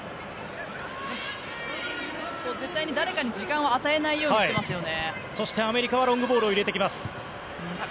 絶対に誰かに時間を与えないようにしていますね。